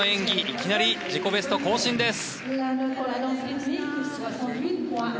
いきなり、自己ベスト更新です。